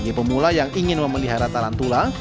bagi pemula yang ingin memelihara tarantula